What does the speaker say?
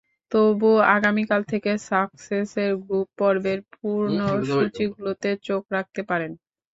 তবু আগামীকাল থেকে সাসেক্সের গ্রুপ পর্বের পূর্ণ সূচিগুলোতে চোখ রাখতে পারেন।